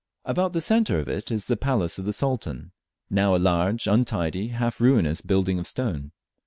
About the centre of it is the palace of the Sultan, now a large untidy, half ruinous building of stone.